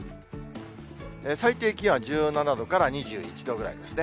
最低気温は１７度から２１度ぐらいですね。